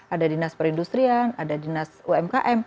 ada dinas perindustrian ada dinas umkm